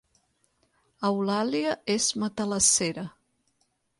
Eulàlia és matalassera